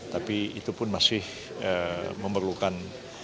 tapi itu pun masih memerlukan